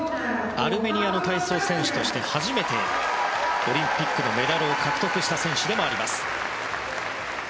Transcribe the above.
アルメニアの体操選手として初めてオリンピックのメダルを獲得した選手でもあります。